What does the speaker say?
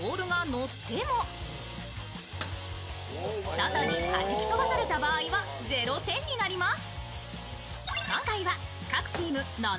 外にはじき飛ばされた場合は０点になります。